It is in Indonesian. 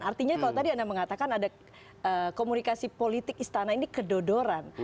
artinya kalau tadi anda mengatakan ada komunikasi politik istana ini kedodoran